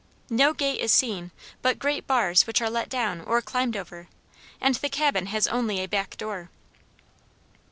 No gate is seen, but great bars which are let down or climbed over, and the cabin has only a back door.